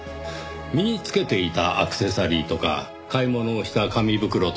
身につけていたアクセサリーとか買い物をした紙袋とか。